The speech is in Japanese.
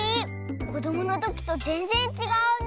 こどものときとぜんぜんちがうね。